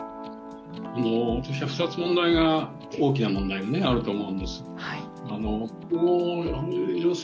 私は２つ大きな問題があると思うんです。